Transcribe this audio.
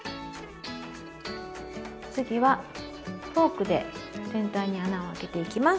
次はフォークで全体に穴を開けていきます。